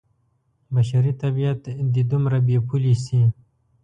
بشري طبعیت دې دومره بې پولې شي.